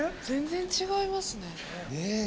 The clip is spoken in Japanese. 全然違いますね。